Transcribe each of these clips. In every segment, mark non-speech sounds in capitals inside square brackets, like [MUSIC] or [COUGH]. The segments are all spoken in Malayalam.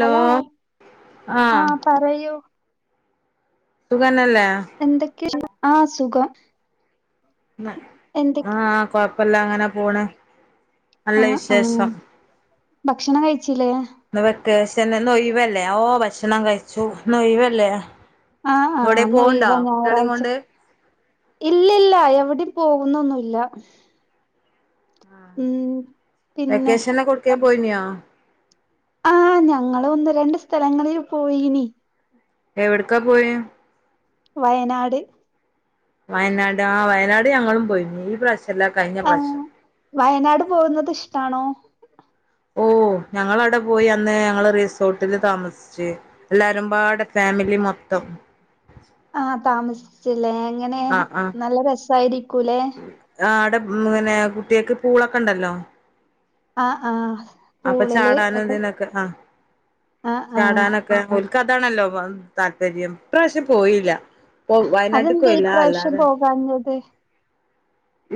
ഹലോ ആഹ് പറയൂ സുഖന്നെല്ലേ? എന്തൊക്കെയ്ണ്ട് ആഹ് സുഖം. എന്തൊക്കെ ആഹ് കൊഴപ്പല്ലങ്ങനെപോണ് ആഹ് ആഹ് നല്ലെവിശേഷം. ഭക്ഷണം കഴിച്ചിലേ? ന്ന് വെക്കെശെന് ഇന്നൊയിവല്ലേ ഓ ഭക്ഷണം കഴിച്ചു ഇന്നൊയിവല്ലെ ആഹ്, ആഹാ ഇന്നൊയ്‌വാ ഞായറാഴ്ച്ച. കൊണ്ട് ഇല്ലല്ലാ എവ്ടിം പോവുന്നൊന്നുല്ല. ആഹ് പിന്നെ വെക്കേഷെനില് എവുടെക്കെങ്കിലൊക്കെ പോയിനോ? ആഹ് ഞങ്ങൾ ഒന്ന് രണ്ട് സ്ഥലങ്ങളിൽ പോയീനി. എവ്ട്ക്കാ പോയെ? വയനാട്. വയനാട് ആ വയനാട് ഞങ്ങളും പോയി ഈ പ്രവിശ്യാല്ലാ കയ്ഞ്ഞ പ്രവിശ്യാം. ആഹ് വയനാട് പോകുന്നത് ഇഷ്ട്ടാണോ? ഓഹ് ഞങ്ങളവ്ടെ പോയിഅന്ന് ഞങ്ങള് റിസോർട്ടില് താമസിച്ച്. എല്ലാരുംപാടെ ഫേമിലിമൊത്തം. ആഹ് താമസിച്ലെ എങ്ങനെ ആഹ് നല്ല രെസായ്രിക്കൂലെ? ആടെ ഉംങ്ങനെ കുട്ടിയാക്ക് പൂളൊക്കെ ഇണ്ടല്ലോ? ആഹ്, ആഹ അപ്പ ചാടാനും ഇതിനൊക്കെ ആ ആഹ് ആഹ് ചാടാനൊക്കെ ഓൽ ക്കതാണല്ലോ താല്പര്യം ഇപ്രാവശ്യം പോയില്ല വയനാട്ടക്ക് അതെന്തേ പോയില്ല ഇപ്രാവശ്യം അല്ലാതെ [UNINTELLIGIBLE]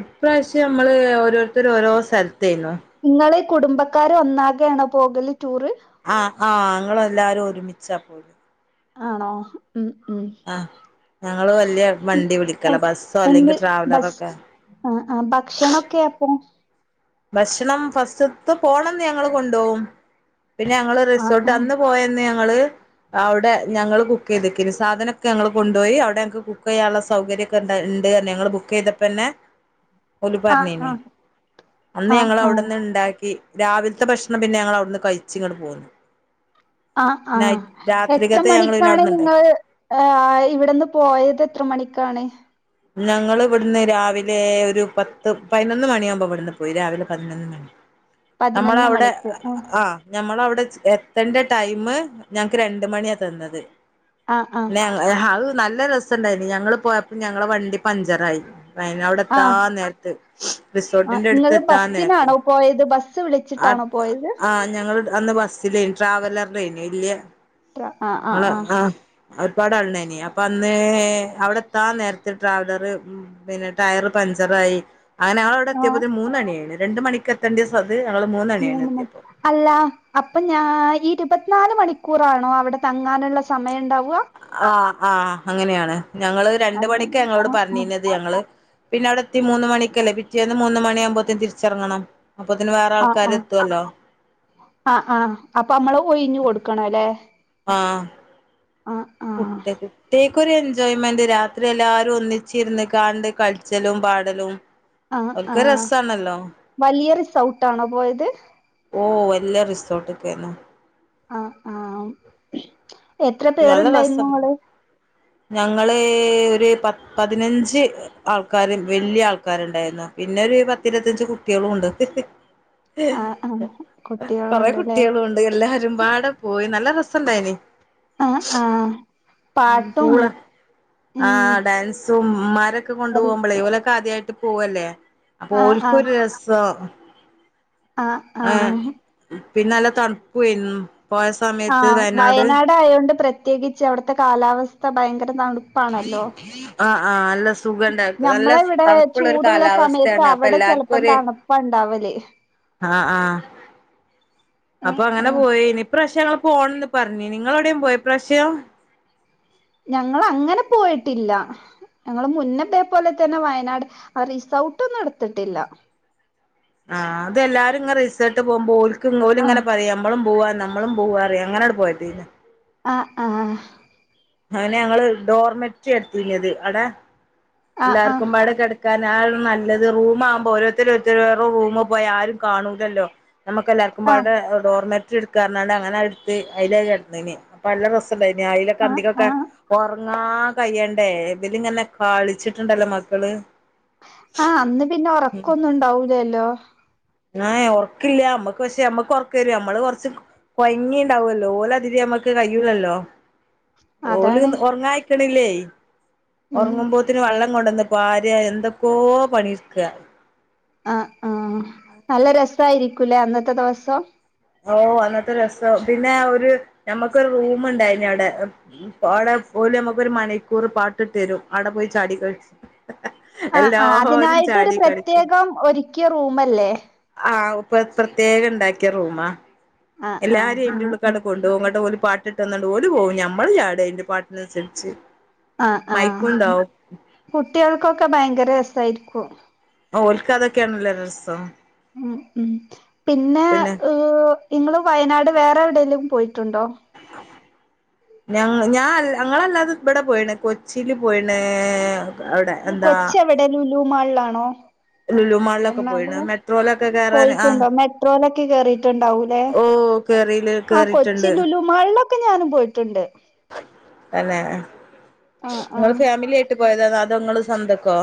ഇപ്രാവശ്യം അമ്മള് ഓരോരുത്തര് ഓരോ സ്ഥലത്തായിരുന്നു നിങ്ങള് ഈ കുടുംബക്കാര് ഒന്നാകെയാണോ പോകല് ടൂറ്? ആഹ്, ആഹ് ഞങ്ങള് എല്ലാരും ഒരുമിച്ചാ പോകല് ആണോ ഉം ഉം ആഹ് ഞങ്ങള് വല്ലിയ വണ്ടി വിളിക്കാണെ ബസ്സോ അല്ലെങ്കി ട്രാവലറൊക്കെ. അഹ്, അഹ് ഭക്ഷണൊക്കെ അപ്പൊ? ഭക്ഷണം ഫസ്റ്റ്ത്ത് പോണംന്ന് ഞങ്ങള് കൊണ്ടോവും പിന്നെ ഞങ്ങള് ആഹ് റിസോർട്ട് അന്ന് ആഹ് പോയ- പിന്നെ ഞങ്ങള്- അവുടെ ഞങ്ങള് കുക്ക്‌ ചെയ് തെക്കയ്നി ച സാധനൊക്കെ ഞങ്ങൾ കൊണ്ടോയി അവുടെ ഞങ്ങക്ക് കുക്ക്‌ ചെയ്യാനുള്ള സൗകര്യം- ത്ണ്ട് ഇണ്ട് ഞങ്ങള് ബുക്ക്‌ ചെയ്തപ്പോതന്നെ ഓല് ആഹ് പറഞ്ഞീനി. ആഹ് അന്ന് ആഹ് ഞങ്ങള് ആഹ് അവുടെന്ന് ഇണ്ടാക്കി രാവിലത്തെ ഭക്ഷണം പിന്നെ ഞങ്ങള് അവുട്ന്ന് കഴിച്ച് ഇങ്ങട്ട് പോന്നു. ആഹ് നൈ ആഹ് എത്ര രാത്രികത്തെ ഞങ്ങള് പിന്നെ മണിക്കാണ് അവിടുന്ന് ഇണ്ടാക്കി നിങ്ങള്- ആ ഇവിടെന്ന് പോയത് എത്ര മണിക്കാണ്? ഞങ്ങള് ഇവട്ന്ന് രാവിലെ ഒര് പത്ത് പയ്നൊന്ന് മണിയാമ്പോ ഇവട്ന്ന് പോയി രാവിലെ പതിനൊന്ന് മണി. നമ്മൾ പതിനൊന്ന് അവിടെ മണിക്ക് ആഹ് ഞമ്മള് അവുടെ എത്തണ്ട ടൈമ് ഞങ്ങക്ക് രണ്ട്മണിയാ തന്നത്. ആഹ് ആഹ് പിന്നെ ഞങ്ങള് അത് നല്ല രസയു ണ്ടായിരുന്നു ഞങ്ങള് പോയപ്പോ ഞങ്ങളെ വണ്ടി പഞ്ചറായി. വയനാട് അവിടെ എത്താ ആഹ് നേരത്ത് ആഹ് റിസോർട്ടിന്റെ എടുത്ത് നിങ്ങള് എത്താൻ നേരത്ത്. ബസ്സിനാണോ പോയത് ബസ്- അത് ആഹ് ഞങ്ങള് അന്ന് ബസ്സിലായിരുന്നു ട്രാവലറ് അന്ന് ഇല്ലിയ ആഹ് ആഹ് അഹ്, ആഹ് അഹ് ഒരുപാട് ആള് ഉണ്ടായെനി അപ്പൊ അന്ന് അവിടെ- എത്താൻ നേര്ത്ത് ട്രാവലെർ പിന്നെ ടയർ പഞ്ചറായി. അങ്ങനെ ഞങ്ങള് അവിടെ ആഹ് എത്തിയപ്പോത്തിന് മൂന് മണി കഴിഞ്ഞു രണ്ട് മണിക്ക് എത്തേണ്ട സ്ഥലത്ത് അത് ഞങ്ങള് മൂന് മണിയായി മൂന്ന് മണി എത്തിയപ്പോ അല്ല അപ്പൊ ഞാ ഈ ഇരുപത്തിനാല് മണിക്കൂറാണോ അവടെ തങ്ങാനുള്ള സമയം ഇണ്ടാവ? ആഹ്, ആഹ് അങ്ങനെയാണ് ഞങ്ങള് രണ്ട് മണിക്കാ അങ്ങനെ ഞങ്ങളോട് ആ പറഞ്ഞീനത് ഞങ്ങള്- പിന്നെ അവുടെത്തി മൂന്ന്മണിക്കല്ലേ പിറ്റേന്ന് മൂന്ന് മണിയാമ്പോത്തിനും തിരിച്ച് ഇറങ്ങണം. അപ്പൊതിന് വേറെ ആൾക്കാര് എത്തുവല്ലോ ആഹ് ആഹ് അപ്പൊ നമ്മള് ഒഴിഞ്ഞ് കൊടുക്കണം ഇല്ലേ ആഹ് പുട്ട് അത് ടേക്ക് ഒരു എൻജോയ്മെന്റ് രാത്രി എല്ലാരും ഒന്നിച്ചിരുന്ന് കാണ്ട് കളിച്ചലും പാടലും ആഹ് ഓൽക്കൊരു ആഹ് രസാണല്ലോ വലിയ റിസൗട്ട് ആണോ പോയത് ഓഹ് വല്ലിയ റിസോട്ട് ഒക്കെ ആഹ് ആഹ് എത്ര പേർണ്ടായിരുന്നു ആള് ഞങ്ങളെ ഒരു പ പതിനഞ്ച് ആൾക്കാര് വലിയ ആൾക്കാരുണ്ടായിരുന്നു പിന്നെ ഒരു പത്തിരുപത്തഞ്ച് കുട്ടികളും ഒണ്ട് ആ ആ കൊറെ കുട്ടികളുണ്ടല്ലേ കുട്ടികളും ഒണ്ട് എല്ലാരും പാടെ പോയി നല്ല രസുണ്ടായിന് ആ ഹ് ആ ഹ് ഉം പാട്ടും ഉം ഉം ഇവന്മാരെ ഒക്കെ കൊണ്ടുപോകുമ്പോള ഇവലൊക്കെ ആദ്യമായിട്ട് പോവല്ലേ അപ്പൊ ആ ആ ഓള്ക്കോരു രസവ ആഹ് ആഹ് പിന്നെ നല്ല തണുപ്പും ആയിരുന്നു പോയ- ആഹ് വയനാട് ആയൊണ്ട് പ്രത്യേകിച്ച് അവിടുത്തെ കാലാവസ്ഥ ഭയങ്കര തണു- ആഹ് ആഹ് നല്ല- സുഖയുണ്ടായിരുന്നു നല്ല ഞമ്മളെ ഇവിടെ തണുപ്പുള്ള ഒരു ചൂടുള്ള കാലാവസ്ഥയാണ് അപ്പൊ എല്ലാവർക്കും ഒരു- ഇപ്പൊ ഒണ്ടാവല് ആഹ് ആഹ് അപ്പൊ ആഹ് അങ്ങനെ ആഹ് പോയി ഇനി പ്രാവശ്യം ഞങ്ങള് പോണംന്ന് പറഞ് നിങ്ങളെവിടെയും പോയോ ഈ പ്രാവശ്യം ഞങ്ങള് അങ്ങനെ പോയിട്ടില്ല ഞങ്ങള് മുന്നത്തെ പോലെ തന്നെ വയനാട് ആ റിസോർട്ടൊന്നും എടുത്തിട്ടില്ല ആഹ് അത് ലാരും ഇങ്ങ റിസർട്ട് പോകുമ്പോ ഓക്ക് ഇങ്ങ് ഓല് ആഹ് ഇങ്ങനെ പറയും മ്പളും പോവാ നമ്മ നമ്മളും പോവാറ അങ്ങന അടെ പോയതെന്ന് ആഹ് ആ ആ അവനെ ഞങ്ങള് ഡോർമെറ്റ് എടുത്തി നിയത് അടാ ആഹ് ആഹ് എല്ലാർക്കും പാടെ കെടക് ക്കാൻ ആ ഒരു നല്ലത് റൂമാ ആവുമ്പോ ഓരോരുത്തരോരുത്തര് ഓരോ റൂമ് പോയാ ആരും കാണൂലല്ലോ നമുക്ക് എല്ലാർക്കു ആഹ് പാടെ ഡോർമെറ്റ് റ്റ് എടുക്കാന്ന് റഞ്ഞ് അങ്ങനെ അടുത്ത് അതില കെടന്നിന് അപ്പൊല്ല രസണ്ടായിന് അലൊക്കെ ആഹ് അന്തിക്കൊക്കെ ആഹ് ഉറങ്ങാ കയ്യണ്ടേ ഇതിലിങ്ങനെ കളിച്ചിട്ടുണ്ടല്ലോ മക്കള് ആഹ് അന്ന് പിന്നെ ഉറക്കൊന്നും ഉണ്ടാവൂലല്ലോ ആഹ് ഉറക്കില്ല നമ്മക്ക് പക്ഷേ നമ്മക്ക് ഉറക്ക വരും നമ്മള് കൊറച്ച്- കൊയങ്ങി ണ്ടാവല്ലോ ഓല് അതില് നമ്മുക്ക് കഴ്യല്ലല്ലോ ഓല് അതാണ് ഉറങ്ങായിക്കണില്ലേ ഉം ഉറങ്ങുമ്പോത്തിന് വെള്ളം കൊണ്ടന്നിട്ട് പാരയാ എന്തൊക്കോ പണിയെടുക്ക ആ ആഹ് നല്ല രസായിരിക്കൂല്ലേ അന്നത്തെ ദിവസം ഓ അന്നത്തെ രസം പിന്നെ ഒരു നമ്മക്കൊരു റൂമ് ണ്ടായിന് അവിടെ അവിടെ പോല നമ്മുക്ക് ഒരു മണിക്കൂർ പാട്ടിട്ടരും അവിടെ പോയി ചാടി കളിച്ച് ആ ആഹ് എല്ലാരും അതിനായിട്ടരു ചാടി കളിക്കും പ്രത്യേകം ഒരിക്കിയ റൂമല്ലേ ആഹ് പ്പ പ്രത്യേകം ഉണ്ടാക്കിയ റൂമാ ആഹ് ആഹ് എല്ലാരും ആഹ് എടക്കെടക്കവിടെ കു റൂമ് ട്ട് ഓല് പാട്ടിട്ട് തന്നിട്ട് ഓല് പോവും മ്മള് ല് ചാട്ക അതിന്റെ പാട്ടിനനുസരിച്ച് ആഹ് ആഹ് മൈക്കുണ്ടാവും കുട്ടികൾക്കൊക്കെ ഭയങ്കര രസായിരിക്കും ഓൽക്കാതൊക്കെയാണല്ലോ രസം ഉം പിന്നെ നിങ്ങള് വയനാട് വേറെ എവിടെലും പോയിട്ടുണ്ടോ? [INAUDIBLE] ഞങ്ങ് ഞൻ ഞങ്ങളല്ലാതെ ഇവിടെ പോയണ് കൊച്ചിയില് പോയണ് കൊച്ചി എവിടെ ലുലു മാളിലാണോ ലുലുമാളിലൊക്കെ എണാണു പോയിണ് മെട്രോയിലൊക്കെ കേറാൻ ആ പോയിട്ടുണ്ടോ മെട്രോയിലൊക്കെ കേറിട്ടുണ്ടാവൂ എ ഓ കേറില് അ കൊച്ചി കേറിയിട്ടുണ്ട് ലുലു മാളിലൊക്കെ ഞാനും പോയിട്ടുണ്ട് അല്ലെ ആഹ് ആഹ് നിങ്ങള് ഫാമിലി ആയിട്ട് പോയത അത്ങ്ങള് സ്വന്തക്കോ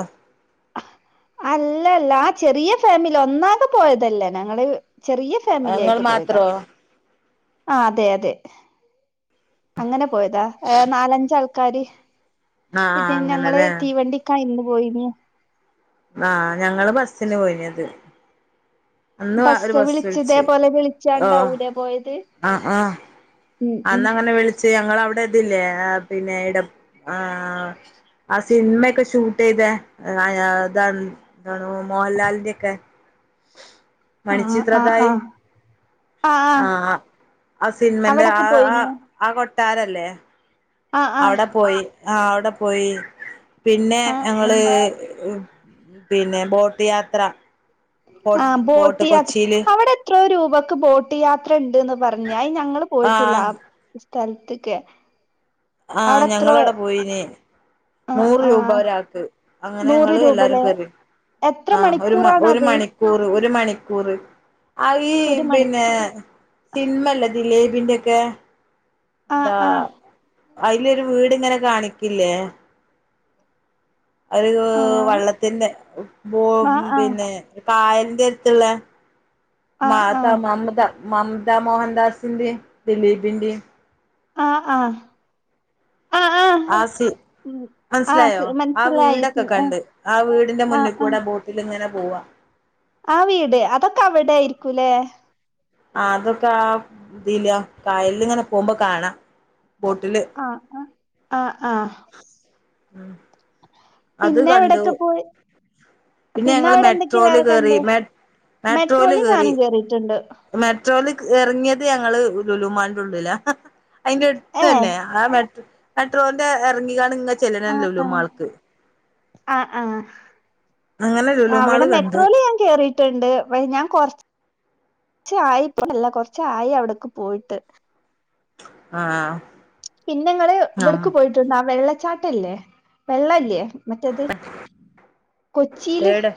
അല്ല അല്ല ആ ചെറിയ ഫാമിലി ഒന്നാകെ പോയതല്ലേ ഞങ്ങള് ചെറിയ ഫാമിലി ഇങ്ങള് ആയിട്ട് പോയതാ മാത്രോ ആ അതെ അതെ അങ്ങനെ പോയതാ നാലഞ്ച ആൾക്കാര് ആ പിന്നെ ഞങ്ങള് അങ്ങനെല്ലേ തീവണ്ടി കയിന്ന് പോയിന്ന് ആഹ് ഞങ്ങള് ബസ്സിന് പോയിഞ്ഞത് അന്ന് വാ ഒരു ബസ്സ് വിളിച്ച് പിടിച്ച് ഇതേപോലെ ഓഹ് വിളിച്ചാണ്ടാവൂലേ പോയത് അഹ് അഹ് ഉം ഉം അന്നങ്ങനെ വിളിച്ചു ഞങ്ങ അവിടെ ഇതില്ലേ പിന്നെ ഇടപ് ആഹ് ആ സിനിമയൊക്കെ ഷൂട്ട് ചെയ്തെ അയാ ഇതാരുന്നു മോഹൻലാലിന്റെ ഒക്കെ ആഹ് ആഹ് മണിച്ചിത്രതായി ആഹ് ആഹ് ആഹ് സിന്മെറ് അവിടൊക്കെ ആഹ് പോയിന്യോ ആഹ് കൊട്ടാരല്ലേ ആഹ് ആഹ് അവിടെ പോയി ആഹ് അവിടെ പോയി പിന്നെ ആഹ് ഞങ്ങള് ആഹ് പിന്നെ ബോട്ട് യാത്ര ആ ഫോർട്ട് ഫോർട്ട് ബോട്ട്യായാത്ര കൊച്ചിയില് അവിടെ എത്രോ രൂപക്ക് ബോട്ട് യാത്ര ഉണ്ട്ന്ന് പറഞ്ഞൽ ഞങ്ങള് പോയിട്ടില്ല ആഹ് സ്ഥലത്തൊക്കെ ആഹ് ഞങ്ങള് അവിടെ പോയിന് ആഹ് നൂറ് രൂപ ആഹ് ഒരാൾക്ക് അങ്ങനെ നൂറ് ഞങ്ങള് എല്ലാരും രൂപല്ലേ കറി എത്ര ആഹ് ഒരു മ ഒരു മണിക്കൂറാണത് മണിക്ക് കൂറ് ഒരു മണിക്കൂറ് ആ ഈ ഒരു മണിക്കൂ പിന്നെ സിൻമ അല്ല ദിലീപിന്റെക്കെ ആഹ് എന്താ ആഹ് അതിലൊരു വീടിങ്ങനെ കാണിക്കില്ലേ ഒരു ആഹ് വള്ളത്തിന്റെ ബോ ആഹ് പിന്നെ കായലിന്റെ അടുത്തുള്ളെ ആഹ് മാത ആഹ് മമത മംമ്താ മോഹൻദാസിന്റെയും ദിലീപിന്റെയും ആഹ് ആഹ് ആഹ് സീൻ ഉം മനസ്സിലായോ ആഹ് ആഹ് മനസ്സിലായി വീടൊക്കെ കണ്ട് ആഹ് വീടിന്റെ ആഹ് മുന്നിൽ കൂടെ ബോട്ടിലിങ്ങനെ പോവാ ആഹ് വീട് അതൊക്കെ അവിടെ ആയിരിക്കൂല്ലേ ആഹ് അതൊക്കെ ആഹ് ഇതില് കായലിലിങ്ങനെ പോകുമ്പോ കാണാം ബോട്ടില് ആഹ് ആഹ് ആഹ് ആഹ് ഉം അത് പിന്നെ കണ്ടു എവിടെക്കെ പോയി പിന്നെ ഞങ്ങള് അവിടെ എന്തൊക്കെയാ മെട്രോല് വേറെ കേറി കണ്ട് മെ മെട്രോല് മെട്രോയില് കേറി ഞാനും കയറിയീട്ടുണ്ട് മെട്രോല് ഇറങ്ങിയത് ഞങ്ങള് ലുലൂമാളിന്റുള്ളിലാ അതിന്റെ അടുത്ത് ഏഹ് തന്നെ ആഹ് മെ മെട്രോന്റെ ഇറങ്ങിക്കാണ് ഇങ്ങ ചെല്ലണ് ആഹ് ആഹ് ലുലുമാൾക്ക് ആഹ് ആഹ് അങ്ങനെ ലുലുമാള് അവിടെ കണ്ട് മെട്രോല് ഞാൻ കേറിയിട്ടുണ്ട് ഞാൻ കൊറച്ച് ച്ച് ആയി ഇപ്പോല്ല കൊറച്ച് ആയി അവിടൊക്കെ പോയിട്ട് ആഹ് പിന്നെങ്ങള് ഇവിടക്ക് പോയിട്ടുണ്ട് ആഹ് വെള്ളച്ചാട്ടല്ലേ വെള്ളല്ലേ മറ്റേത് കൊച്ചിയില് ഏടെ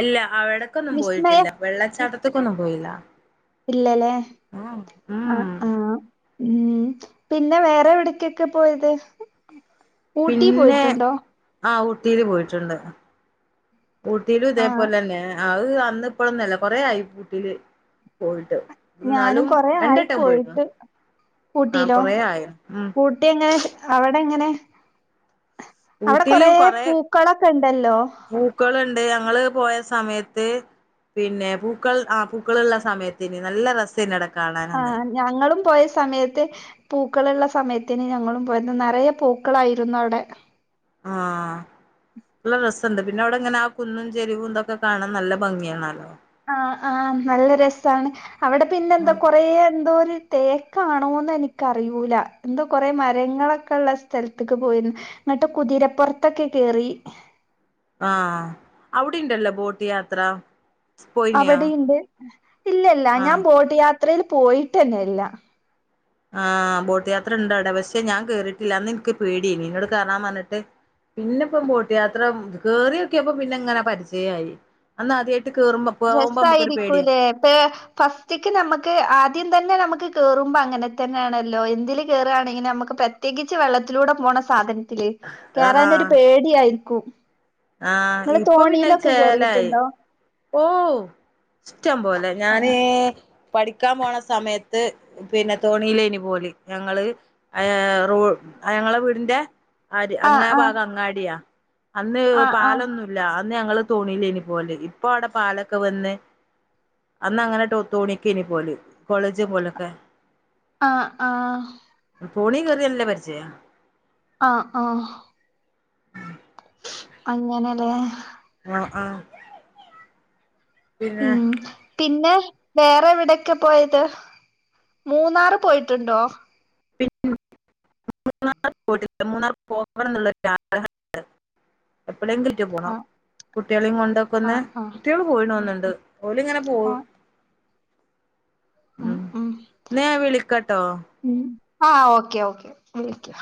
ഇല്ല അവിടെക്കൊന്നും വിസ്മയ പോയിട്ടില്ല വെള്ളച്ചാട്ടത്തിക്കൊന്നും പോയില്ല ഇല്ലല്ലേ ആഹ് ഉം ആഹ് ആഹ് ഉം പിന്നെ വേറെ എവിടക്കൊക്കെ പോയത് ഊട്ടി പിന്നെ പോയിട്ടുണ്ടോ ആഹ് ഊട്ടിയില് പോയിട്ടുണ്ട് ഊട്ടിയിലും ആഹ് ഇതേപോലെ തന്നെ അത് അന്ന് ഇപ്പോളൊന്നുവല്ല കൊറേ ആയി ഊട്ടിയില് പോയിട്ട് ഞാനും എന്നാലും കൊറേ ആയി രണ്ടുവട്ടം പോയിക്കണ് പോയിട്ട് ആഹ് ഊട്ടിയിലോ കൊറേ ആയേ ഉം ഊട്ടി എങ്ങനെ അവിടെ എങ്ങനെ അവിടെ ഊട്ടിയില് കൊറേ പൂക്കളൊക്കെ ഉണ്ടല്ലോ പൂക്കളുണ്ട് ഞങ്ങള് പോയ സമയത്ത് പിന്നെ പൂക്കൾ ആഹ് പൂക്കള് ഉള്ള സമയത്തിന് നല്ല രസാന്നി അവടെ കാണാനന്ന് ആഹ് ഞങ്ങളും പോയ സമയത്ത് പൂക്കളുള്ള സമയത്തിന് ഞങ്ങളും പോയിരുന്നു നിറയെ പൂക്കളായിരുന്നു അവിടെ ആഹ് നല്ല രസോണ്ട് പിന്നെ അവിടെ ഇങ്ങനെ ആഹ് കുന്നും ചെരിവും ഇതൊക്കെ കാണാൻ നല്ല ഭംഗിയാണല്ലോ ആഹ് ആഹ് നല്ല രസാണ് അവിടെ പിന്നെ എന്താ കൊറേ എന്തോ ഒരു തേക്കാണോന്ന് എനിക്കറിയൂല എന്തോ കൊറേ മരങ്ങളൊക്കെ ഉള്ള സ്ഥലത്തേക്ക് പോയിരുന്നു എന്നിട്ട് കുതിരപ്പുറത്തൊക്കെ കേറി ആഹ് അവിടെ ഉണ്ടല്ലോ ബോട്ട് യാത്ര പോയിനിയോ അവിടെയുണ്ട് ഇല്ല ഇല്ല ആ ഞാൻ ബോട്ട് യാത്രയിൽ പോയിട്ടന്നെ ഇല്ല ആഹ് ബോട്ട് യാത്ര ഇണ്ട് അവിടെ പക്ഷെ ഞാൻ കേറിയിട്ടില്ല അന്ന് എനിക്ക് പേടിയേനി എന്നോട് കേറാൻ പറഞ്ഞിട്ട് പിന്നെ ഇപ്പം ബോട്ട് യാത്ര കേറിയൊക്കെപ്പ പിന്നെ എങ്ങനെ പരിചയമായി അന്ന് ആദ്യായിട്ട് കേറുമ്പം രസായിരിക്കൂല്ലേ പേ ഫസ് റ്റ്ക്ക് നമുക്ക് ആദ്യം തന്നെ നമുക്ക് കേറുമ്പോൾ അങ്ങനെ തന്നെയാണല്ലോ എന്തില് കേറുകയാണെങ്കിലും നമുക്ക് പ പ്രത്യേകിച്ച് വെള്ളത്തിലൂടെ പോണ സാധനത്തില് കേറാൻ ആഹ് ഒരു പേടിയായിരിക്കും ആഹ് നിങ്ങള് ഇപ്പൊ പിന്നെ അത് തോണിയിലൊക്കെ ചേലായി കേറിയിട്ടുണ്ടോ ഓ ഇഷ്ടം പോലേ ഞാന് ആഹ് പഠിക്കാൻ പോണ സമയത്ത് പിന്നെ തോണിയിലേനി പോവല് ഞങ്ങള് റോ ഞങ്ങളെ വീടിറെ ആര് ആഹ് അങ്ങെ ഭാഗം അങ്ങാടിയാ അന്ന് ആഹ് ആഹ് പാലൊന്നുമല്ല അന്ന് ഞങ്ങള്ൾ തോണില്ലേ ഇനി പോവൽ ഇപ്പൊ അവിടെ പാലൊക്കെ വന്ന് അന്ന് അങ്ങനെട്ട് തോണിക്ക ഇനി പോല കോളേജ പോലൊക്കെ ആ ആഹ തോണി കയറി നല്ല പരിജയം ആ ആഹ ആഹ അങ്ങനെല്ലേ ആഹ ആഹ ഉം പിന്നെ വേറെ എവിടെൊക്കെ പോയത് മൂന്നാറ് പോയിട്ടുണ്ടോ പി മൂന്നാർ മൂന്നാർ പോയിട്ടില്ല പോവണം എന്നുള്ള ആഗ്രഹം ഉണ്ട് എപ്പോഴെങ്കിലും ഏറ്റെ പോണം ആഹ് കുട്ടികളെയും കൊണ്ടോക്കൊന്നു ആഹ് ആഹ് കുട്ടികളും പോയിണന്നണ്ട് ഓല് ഇങ്ങനെ പോകും ആഹ് ഉം ന്നാ ഞാൻ വിളിക്കാട്ടോ ഉ ആ ഓക്കെ ഓക്കെ വിളിക്ക